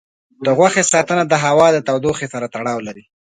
د غوښې ساتنه د هوا د تودوخې سره تړاو لري.